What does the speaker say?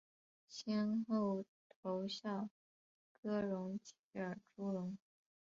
先后投效葛荣及尔朱荣。